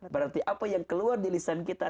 berarti apa yang keluar di lisan kita